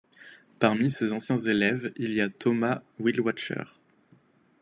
Parmi ses anciens élèves, il y a Thomas Willwacher.